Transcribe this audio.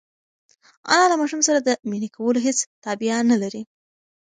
انا له ماشوم سره د مینې کولو هېڅ تابیا نهلري.